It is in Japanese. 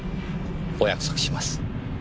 お約束します。